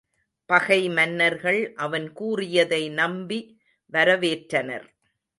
பகை மன்னர்கள் அவன் கூறியதை நம்பி வரவேற்றனர்.